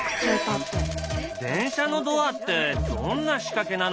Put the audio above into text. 電車のドアってどんな仕掛けなのかな。